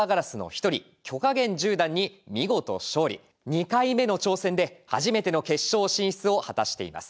２回目の挑戦で初めての決勝進出を果たしています。